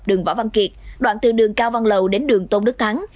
đường võ văn kiệt đoạn từ đường cao văn lầu đến đường tôn đức thắng